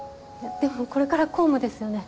でもこれから公務ですよね。